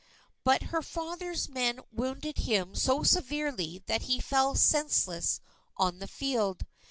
But her father's men wounded him so severely that he fell senseless on the field.